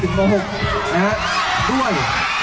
ได้ยินเสียงกรี๊ดนั่นไหม